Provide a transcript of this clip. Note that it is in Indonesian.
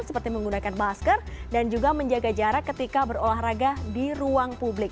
seperti menggunakan masker dan juga menjaga jarak ketika berolahraga di ruang publik